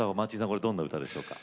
これどんな歌でしょうか？